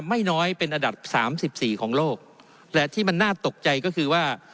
ไม่น้อยเป็นอัดดับ๓๔ของโลกและที่มันน่าตกใจก็คือว่า